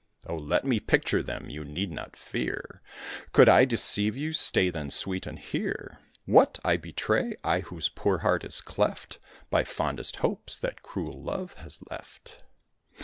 Oh, let me picture them! you need not fear. Could I deceive you? Stay, then, sweet, and hear. What! I betray? I, whose poor heart is cleft By fondest hopes that cruel Love has left?"